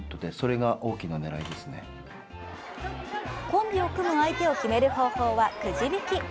コンビを組む相手を決める方法は、くじ引き。